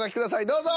どうぞ。